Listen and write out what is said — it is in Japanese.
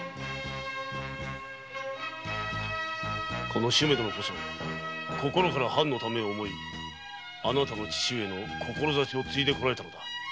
この主馬殿こそ心から藩のためを思いあなたの父上の志を継いでこられたのだ。